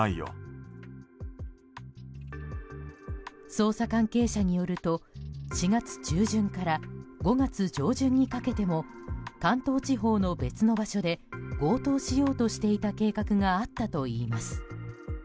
捜査関係者によると４月中旬から５月上旬にかけても関東地方の別の場所で強盗しようとしていた計画があったといいます。